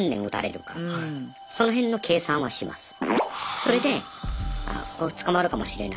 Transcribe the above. それであこれ捕まるかもしれない。